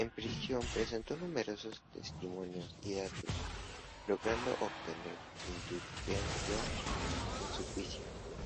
En prisión presentó numerosos testimonios y datos logrando obtener indulgencia en su juicio.